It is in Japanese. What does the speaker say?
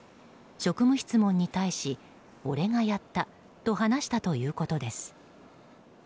職務質問に対し、俺がやったと話したということです。